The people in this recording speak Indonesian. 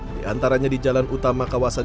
diantaranya di jalan utama kawasan